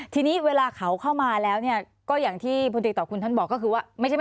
ทีนี้เวลาเขาเข้ามาแล้วก็อย่างที่พลตีต่อคุณท่านบอกก็คือว่า